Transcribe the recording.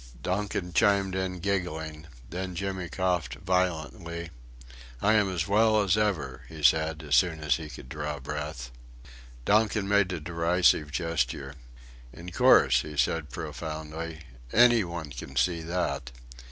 Donkin chimed in giggling. Then Jimmy coughed violently. "I am as well as ever," he said, as soon as he could draw breath. Donkin made a derisive gesture. "In course," he said, profoundly, "any one can see that."